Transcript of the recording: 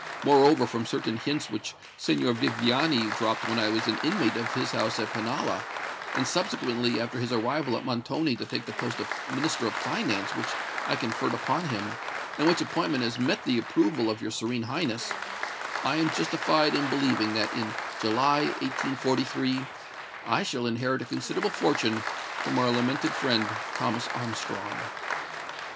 Moreover, from certain hints which Signor Viviani dropped when I was an inmate of his house at Pinalla—and subsequently, after his arrival at Montoni to take the post of Minister of Finance which I conferred upon him, and which appointment has met the approval of your Serene Highness—I am justified in believing that in July, 1843, I shall inherit a considerable fortune from our lamented friend Thomas Armstrong."